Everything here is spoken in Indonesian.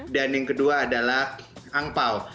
dan yang kedua adalah angpao